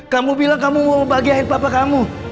kamu bilang kamu mau bahagiain papa kamu